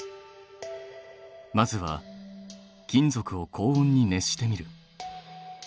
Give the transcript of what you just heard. まずは金属を高温に熱してみる。